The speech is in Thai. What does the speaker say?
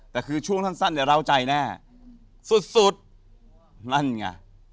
แต่คือช่วงสั้นเนี่ยเล่าใจแน่สุดสุดนั่นไง